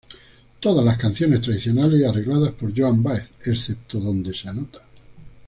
Todas las canciones tradicionales y arregladas por Joan Baez excepto donde se anota.